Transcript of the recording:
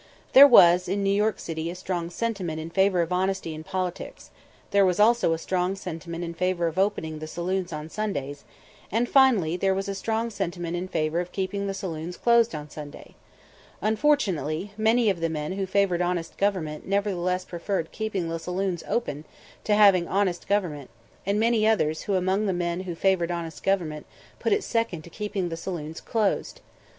There was in New York City a strong sentiment in favor of honesty in politics; there was also a strong sentiment in favor of opening the saloons on Sundays; and, finally, there was a strong sentiment in favor of keeping the saloons closed on Sunday. Unfortunately, many of the men who favored honest government nevertheless preferred keeping the saloons open to having honest government; and many others among the men who favored honest government put it second to keeping the saloons closed.